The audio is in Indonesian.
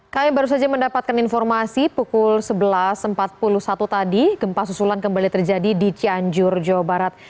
kami baru saja mendapatkan informasi pukul sebelas empat puluh satu tadi gempa susulan kembali terjadi di cianjur jawa barat